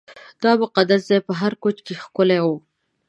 دا مقدس ځای په هر کونج کې ښکلی و.